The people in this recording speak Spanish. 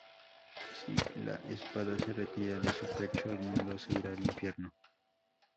Si la espada se retira de su pecho, el mundo se irá al infierno.